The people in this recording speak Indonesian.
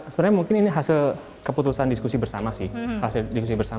sebenarnya mungkin ini hasil keputusan diskusi bersama sih